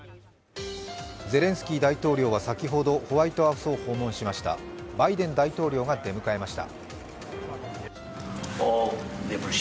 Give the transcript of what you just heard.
ゼレンスキー大統領は先ほど、ホワイトハウスを訪問しましたバイデン大統領が出迎えました。